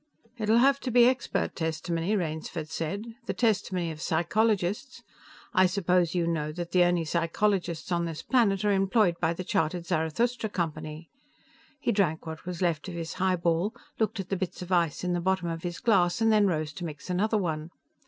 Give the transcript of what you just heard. "It'll have to be expert testimony," Rainsford said. "The testimony of psychologists. I suppose you know that the only psychologists on this planet are employed by the chartered Zarathustra Company." He drank what was left of his highball, looked at the bits of ice in the bottom of his glass and then rose to mix another one.